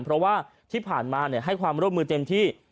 เพราะว่าที่ผ่านมาให้ความร่วมมือเต็มที่